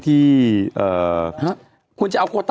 ถูก